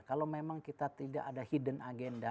kalau memang kita tidak ada hidden agenda